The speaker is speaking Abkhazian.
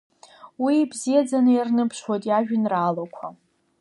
Уи ибзиаӡаны ирныԥшуеит иажәеинраалақәа.